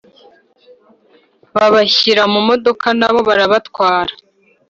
babashyira mu modoka nabo barabatwara.